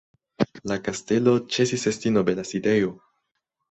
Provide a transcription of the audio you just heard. La kastelo ĉesis esti nobela sidejo.